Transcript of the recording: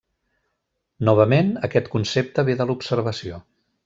Novament, aquest concepte ve de l'observació.